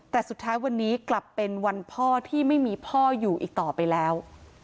แต่สุดท้ายวันนี้กลับเป็นวันพ่อที่ไม่มีพ่ออยู่อีกต่อไปแล้ว